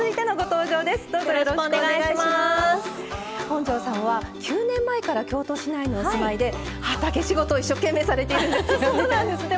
本上さんは９年前から京都市内にお住まいで畑仕事を一生懸命されているんですよね。